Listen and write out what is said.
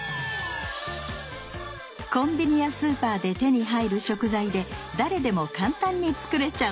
コンビニやスーパーで手に入る食材で誰でも簡単に作れちゃう！